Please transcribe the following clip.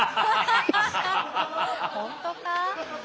本当か？